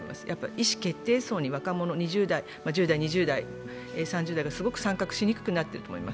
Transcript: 意思決定層に若者、１０代、２０代、３０代がすごく参画しにくくなっていると思います。